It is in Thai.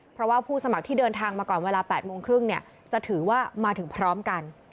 เพราะว่าผู้สมัครที่เดินทางมาก่อนเวลา๘๓๐จะถือว่ามาถึงพร้อมกัน